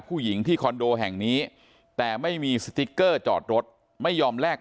ผู้หญิงที่คอนโดแห่งนี้แต่ไม่มีสติ๊กเกอร์จอดรถไม่ยอมแลก